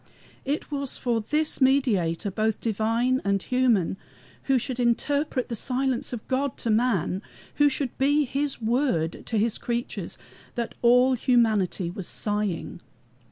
It was for this Mediator, both divine and human, who should interpret the silence of God to man, who should be his Word to his creatures, that all humanity was sighing.